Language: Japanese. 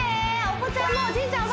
お子ちゃんもおじいちゃん